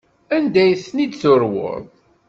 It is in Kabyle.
Anda ay ten-id-turweḍ?